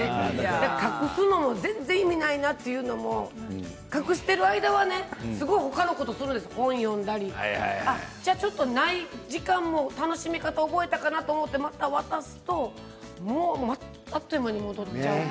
隠すのも全然意味ないなというのも隠している間はね他のことをするんです本を読んだりちょっと時間の楽しみ方を覚えたかなと思って、また渡すとあっという間に戻っちゃう。